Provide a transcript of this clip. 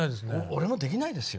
俺もできないですよ。